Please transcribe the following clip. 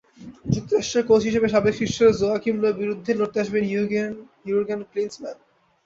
যুক্তরাষ্ট্রের কোচ হিসেবে সাবেক শিষ্য জোয়াকিম লোর বিরুদ্ধেই লড়তে আসবেন ইয়ুর্গেন ক্লিন্সম্যান।